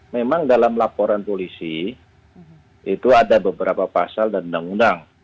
memang dalam laporan polisi itu ada beberapa pasal dan undang undang